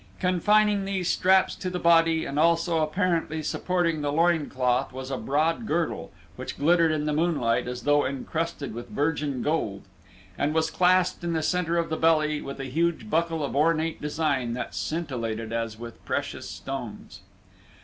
Confining these straps to the body and also apparently supporting the loin cloth was a broad girdle which glittered in the moonlight as though encrusted with virgin gold, and was clasped in the center of the belly with a huge buckle of ornate design that scintillated as with precious stones.